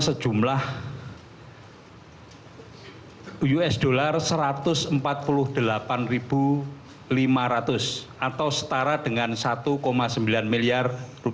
sejumlah usd rp satu ratus empat puluh delapan lima ratus atau setara dengan rp satu sembilan miliar